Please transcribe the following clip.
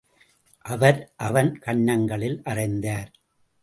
அவர், அவன் கன்னங்களிலே அறைந்தார்.